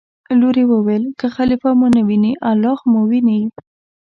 لور یې وویل: که خلیفه مو نه ویني الله خو مو ویني.